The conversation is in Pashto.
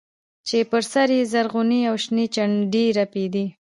چې پر سر يې زرغونې او شنې جنډې رپېدلې.